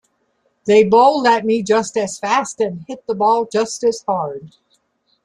They bowl at me just as fast and hit the ball just as hard.